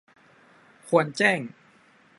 ควรแจ้ง